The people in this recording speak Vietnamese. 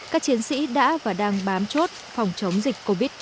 các chiến sĩ đã và đang bám chốt phòng chống dịch covid một mươi chín